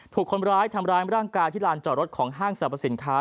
ถูกคนร้ายทำร้ายร่างกายที่ลานจอดรถของห้างสรรพสินค้า